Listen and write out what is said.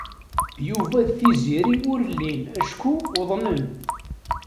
Yuba d Tiziri ur llin acku uḍnen.